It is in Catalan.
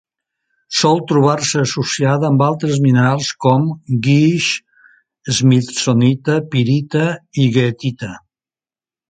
Sol trobar-se associada amb altres minerals com: guix, smithsonita, pirita i goethita.